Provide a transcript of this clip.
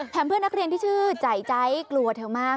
เพื่อนนักเรียนที่ชื่อใจใจกลัวเธอมาก